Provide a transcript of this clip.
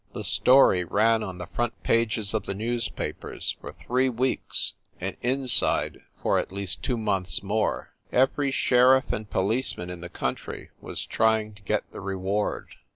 The story ran on the front pages of the newspapers for three weeks, and inside for at least two months more. Every sheriff and policeman in the country was try ing to get the reward.